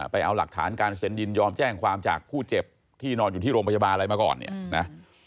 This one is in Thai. ไปเอาหลักฐานการเซ็นยินยอมแจ้งความจากผู้เจ็บที่นอนอยู่ที่โรงพยาบาลอะไรมาก่อนเนี่ยนะ